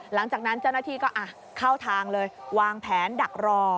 หลังจากนั้นเจ้าหน้าที่ก็เข้าทางเลยวางแผนดักรอ